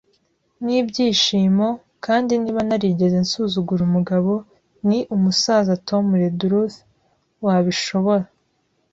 n'ibyishimo; kandi niba narigeze nsuzugura umugabo, ni umusaza Tom Redruth, wabishobora